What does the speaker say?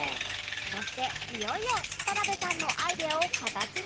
そしていよいよ田辺さんのアイデアを形に